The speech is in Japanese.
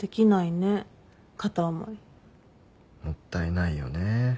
もったいないよね。